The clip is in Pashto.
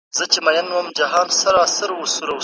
معلم صاحب زموږ پاڼه وړاندي نه کړه.